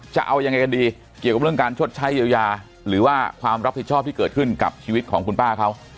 จะเอายังไงกันดีเกี่ยวกับเรื่องการชดใช้เยียวยาหรือว่าความรับผิดชอบที่เกิดขึ้นกับชีวิตของคุณป้าเขา